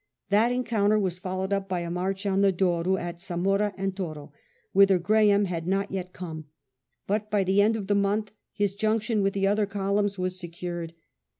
That encounter was followed up by a march on the Douro at Zamora and Tore, whither Graham had not yet come ; but by the end of the month his junction with the other columns was secured.